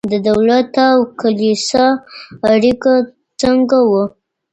د دولت او کلیسا اړیکه څنګه وه؟